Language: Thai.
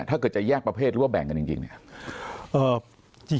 ถ้าเกิดจะแยกประเภทหรือว่าแบ่งกันจริงเนี่ย